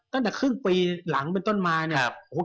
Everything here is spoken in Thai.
ตั้งแต่ครึ่งปีหลังไปต้นมาเนี่ยแข็งค่ามาตลอดนะ